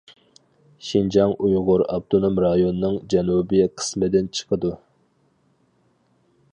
شىنجاڭ ئۇيغۇر ئاپتونوم رايونىنىڭ جەنۇبىي قىسمىدىن چىقىدۇ.